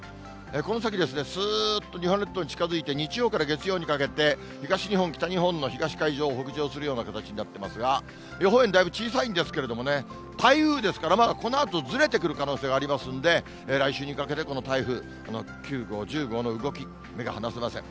この先ですね、すーっと日本列島に近づいて、日曜から月曜にかけて、東日本、北日本の東海上を北上するような形になってますが、予報円、だいぶ小さいんですけれどもね、台風ですから、このあとずれてくる可能性がありますんで、来週にかけてこの台風９号、１０号の動き、目が離せません。